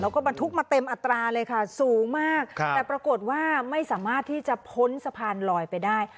แล้วก็บรรทุกมาเต็มอัตราเลยค่ะสูงมากแต่ปรากฏว่าไม่สามารถที่จะพ้นสะพานลอยไปได้